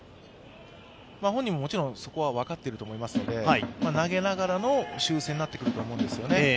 本人ももちろんそこは分かっていると思いますので、投げながらの修正になってくると思うんですね。